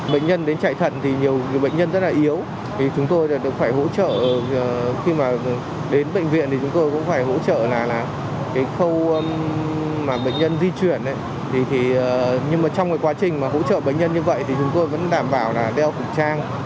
bệnh nhân di chuyển nhưng trong quá trình hỗ trợ bệnh nhân như vậy chúng tôi vẫn đảm bảo đeo cục trang